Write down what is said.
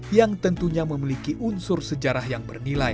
yang tentunya memiliki unsur sejarah yang bernilai